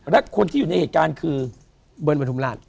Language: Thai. และคนที่อยู่ในเหตุการณ์คือเบิ้ลประทุมราช